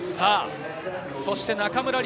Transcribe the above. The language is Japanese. そして中村輪